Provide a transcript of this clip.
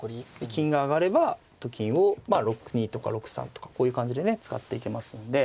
金が上がればと金を６二とか６三とかこういう感じでね使っていけますので。